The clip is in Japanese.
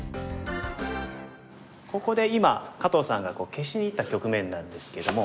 ここで今加藤さんが消しにいった局面なんですけども。